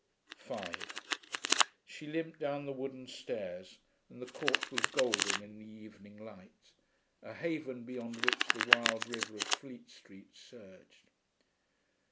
5 She limped down the wooden stairs, and the court was golden in the evening light, a haven beyond which the wild river of Fleet Street surged.